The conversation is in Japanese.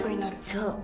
そう。